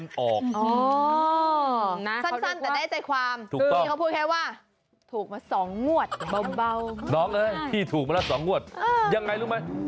น้องเอ้ยที่ถูกมาละสองงวดยังไงรู้ไหม